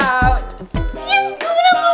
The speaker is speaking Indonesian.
yes gue menang gue menang